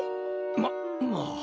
ままあ。